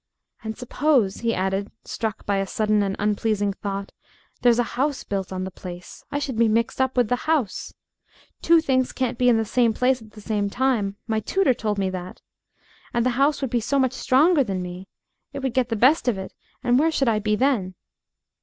And suppose," he added, struck by a sudden and unpleasing thought, "there's a house built on the place. I should be mixed up with the house. Two things can't be in the same place at the same time. My tutor told me that. And the house would be so much stronger than me it would get the best of it, and where should I be then?"